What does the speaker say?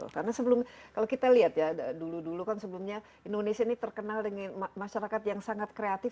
karena sebelum kalau kita lihat ya dulu dulu kan sebelumnya indonesia ini terkenal dengan masyarakat yang sangat kreatif